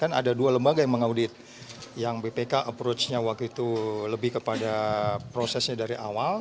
kan ada dua lembaga yang mengaudit yang bpk approach nya waktu itu lebih kepada prosesnya dari awal